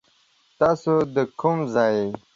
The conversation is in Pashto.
تاسو دا کوم ځای يي ؟